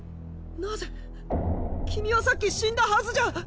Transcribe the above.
なぜ君はさっき死んだはずじゃ。